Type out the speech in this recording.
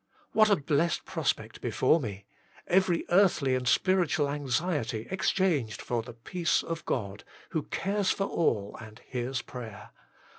" What a blessed prospect before me every earthly and spiritual anxiety exchanged for the peace of God, who cares for all and hears prayer.